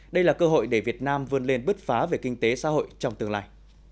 đây là cơ hội để việt nam vươn lên bứt phá về kinh tế xã hội trong tương lai